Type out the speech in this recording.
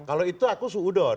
kalau itu aku sudut